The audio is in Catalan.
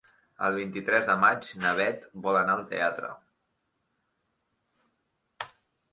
El vint-i-tres de maig na Beth vol anar al teatre.